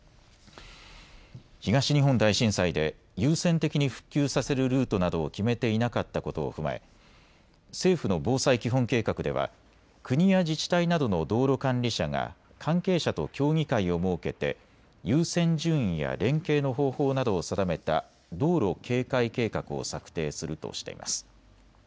東日本大震災で優先的に復旧させるルートなどを決めていなかったことを踏まえ、政府の防災基本計画では国や自治体などの道路管理者が関係者と協議会を設けて優先順位や連携の方法などを定めた道路啓開計画を策定するとしています。